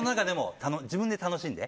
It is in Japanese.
自分で楽しんで。